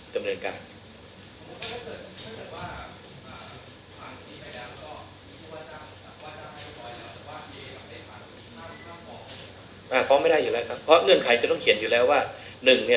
และห้ามให้ศิษย์กับผู้รับจ้างลายนั้นลงไปในพืชที่